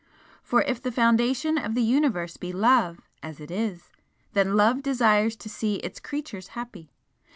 For if the foundation of the Universe be Love, as it is, then Love desires to see its creatures happy.